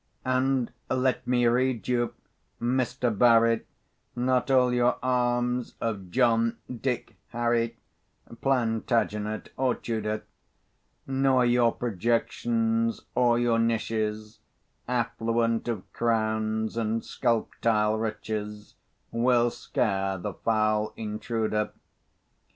And let me rede you, Mr. Barry, Not all your arms of John, Dick, Harry, Plantagenet, or Tudor; Nor your projections, or your niches, Affluent of crowns and sculptile riches, Will scare the foul intruder.